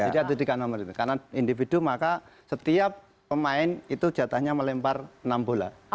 jadi ada tiga nomor tim karena individu maka setiap pemain itu jatahnya melempar enam bola